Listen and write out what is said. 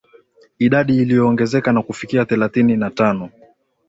idadi iliyoongezeka na kufikia thelathini na tano